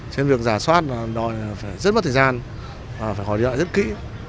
trên việc giả soát rất mất thời gian phải hỏi điện thoại rất kỹ